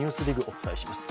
お伝えします。